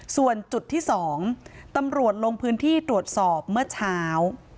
ส่วนจุดที่๒ตำรวจลงพื้นที่ตรวจสอบเมื่อเช้า